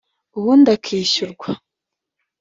ubundi akishyurwa